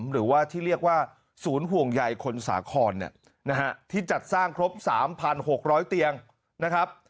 หรือว่าที่เรียกว่าศูนย์ห่วงใยคนสาครที่จัดสร้างครบ๓๖๐๐เตียงนะครับ